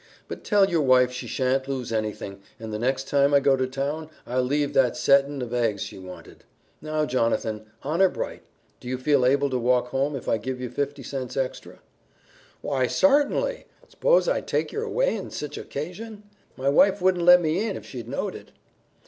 But tell your wife she shan't lose anything, and the next time I go to town I'll leave that settin' of eggs she wanted. Now, Jonathan, honor bright, do you feel able to walk home if I give you fifty cents extra?" "Why, sartinly! S'pose I'd take yer away on sich a 'casion? My wife wouldn't let me in if she knowed it."